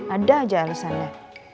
ada aja alesannya